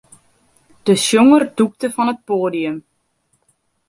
De sjonger dûkte fan it poadium.